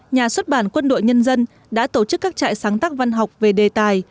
nhà xuất bản quân đội nhân dân đã tổ chức các trại sáng tác văn học về đề tài